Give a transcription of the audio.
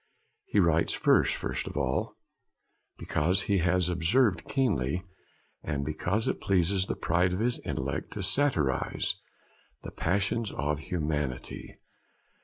He writes verse, first of all, because he has observed keenly, and because it pleases the pride of his intellect to satirise the pretensions of humanity.